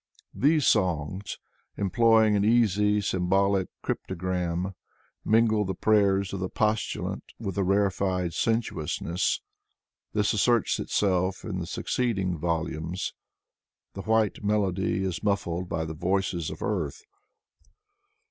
These songs, employing an easy symbolic cryptogram, mingle the prayers of the postulant with a rarefied sensuousness. This asserts itelf in the succeeding volumes. The white melody is muffled by the voices of earth.